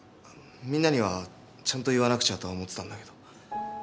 みんなにはちゃんと言わなくちゃとは思ってたんだけど。